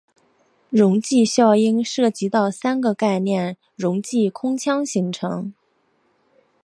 溶剂效应涉及到三个概念溶剂空腔形成。